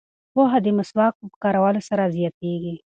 پوهه د مسواک په کارولو سره زیاتیږي.